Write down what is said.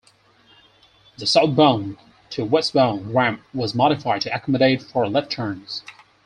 The Southbound to Westbound ramp was modified to accommodate for left turns.